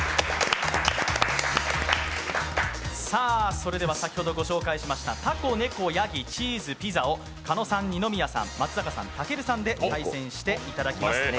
それでは先ほどご紹介しました「タコネコヤギチーズピザ」を狩野さん、二宮さん、松坂さんたけるさんで対戦していただきます。